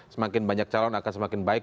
semakin banyak calon akan semakin baik